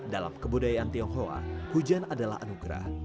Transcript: dalam kebudayaan tionghoa hujan adalah anugerah